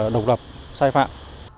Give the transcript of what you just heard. đồng độc sai phạm